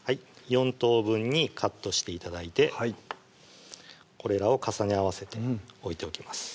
４等分にカットして頂いてはいこれらを重ね合わせて置いておきます